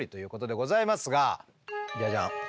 ジャジャン。